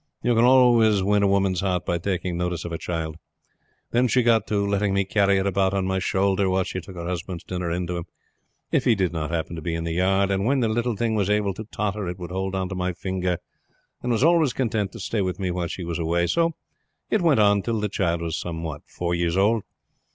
You can always win a woman's heart by taking notice of her child. Then she got to letting me carry it about on my shoulder while she took her husband's dinner in to him, if he did not happen to be in the yard. And when the little thing was able to totter it would hold on to my finger, and was always content to stay with me while she was away. So it went on till the child was four years old.